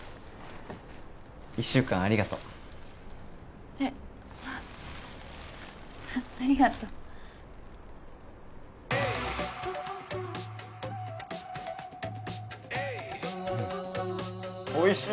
１週間ありがとうえっありがとうおいしい！